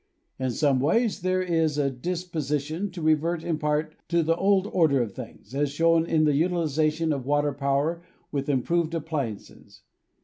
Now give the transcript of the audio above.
In some ways there is a disposition to revert in part to the old order of things, as shown in the utilization of water power with improved appliances.